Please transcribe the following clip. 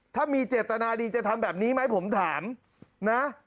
ถ้ามีเจตนาดีจะทำแบบนี้ไหมผมถามนะ